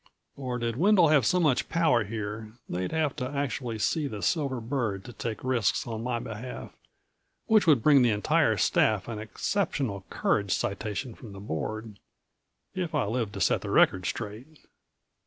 Or did Wendel have so much power here they'd have to actually see the silver bird to take risks on my behalf which would bring the entire staff an exceptional courage citation from the Board if I lived to set the record straight.